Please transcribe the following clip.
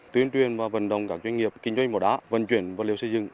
tuyên truyền và vận động các doanh nghiệp kinh doanh mỏ đá vận chuyển và liều xây dựng